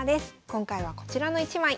今回はこちらの一枚。